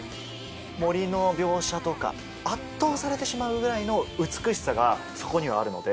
森の描写とか圧倒されてしまうぐらいの美しさがそこにはあるので。